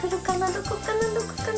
どこかなどこかな？